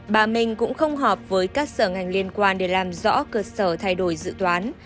bà minh cũng không họp với các sở ngành liên quan để làm rõ cơ sở thay đổi dự toán